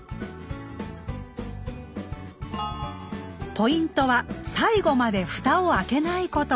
ポイントは最後までふたを開けないこと。